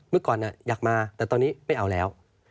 เมื่อก่อนอยากมาแต่ตอนนี้ไม่เอาแล้ว